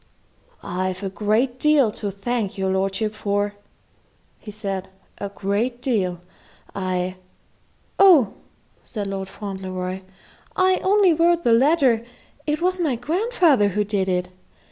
"I've a great deal to thank your lordship for," he said; "a great deal. I " "Oh," said Fauntleroy; "I only wrote the letter. It was my grandfather who did it.